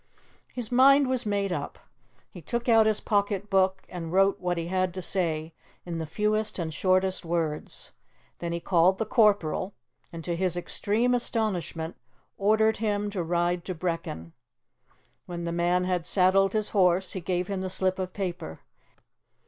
His mind was made up. He took out his pocket book and wrote what he had to say in the fewest and shortest words. Then he called the corporal, and, to his extreme astonishment, ordered him to ride to Brechin. When the man had saddled his horse, he gave him the slip of paper.